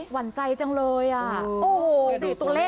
หั่นใจจังเลยอ่ะโอ้โหสิตัวเลข